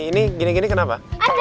ini gini gini kenapa